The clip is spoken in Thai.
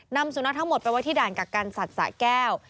นำสุนัขทั้งหมดไปไว้ที่ด่านกักกันสัตว์สะแก้ว